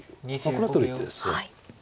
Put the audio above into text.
これは取る一手ですね。